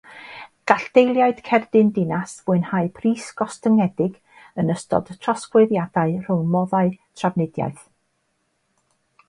Gall deiliaid Cerdyn Dinas fwynhau pris gostyngedig yn ystod trosglwyddiadau rhwng moddau trafnidiaeth.